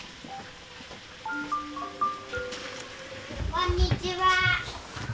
こんにちは！